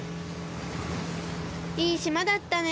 いいしまだったね。